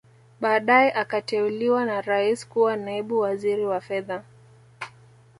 Baadae akateuliwa na Rais kuwa Naibu Waziri wa Fedha